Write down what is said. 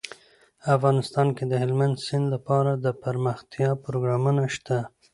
افغانستان کې د هلمند سیند لپاره دپرمختیا پروګرامونه شته.